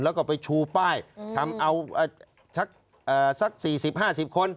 แล้วก็ไปชูป้ายทำเอาสัก๔๐๕๐คน